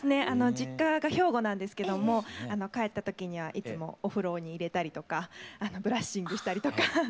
実家が兵庫なんですけども帰った時にはいつもお風呂に入れたりとかブラッシングしたりとか。